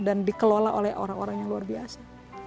dan dikelola oleh orang orang yang luar biasa